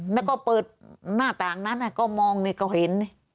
แล้วก็เปิดหน้าต่างนั้นก็มองนี่ก็เห็น